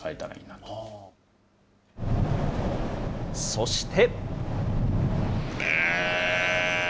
そして。